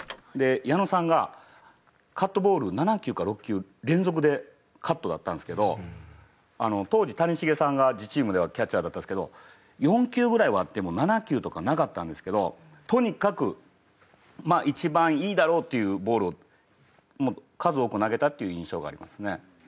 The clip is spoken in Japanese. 矢野さんがカットボール７球か６球連続でカットだったんですけど当時谷繁さんが自チームではキャッチャーだったんですけど４球ぐらいはあっても７球とかはなかったんですけどとにかく一番いいだろうっていうボールを数多く投げたっていう印象がありますね。